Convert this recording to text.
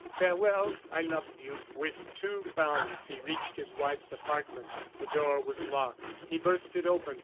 Farewell. I loved you." With two bounds he reached his wife's apartments. The door was locked; he burst it open.